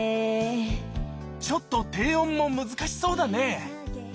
ちょっと低音も難しそうだね。